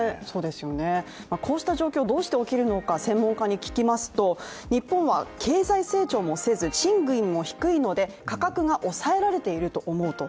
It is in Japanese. こうした状況、どうして起きるのか専門家に聞きますと日本は経済成長もせず賃金も低いので価格が抑えられていると思うと。